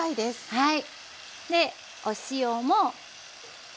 はい。